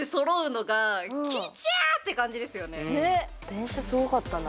電車すごかったな。